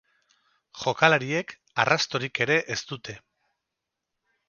Jokalariek arrastorik ere ez dute.